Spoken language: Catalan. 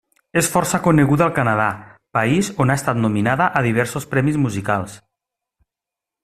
És força coneguda al Canadà, país on ha estat nominada a diversos premis musicals.